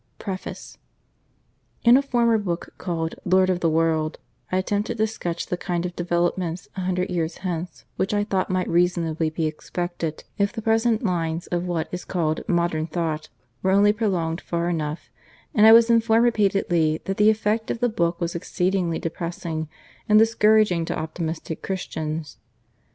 PREFACE IN a former book, called Lord of the World, I attempted to sketch the kind of developments a hundred years hence which, I thought, might reasonably be expected if the present lines of what is called "modern thought" were only prolonged far enough; and I was informed repeatedly that the effect of the book was exceedingly depressing and discouraging to optimistic Christians.